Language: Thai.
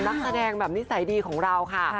นักแสดงแบบนิสัยดีของเราค่ะ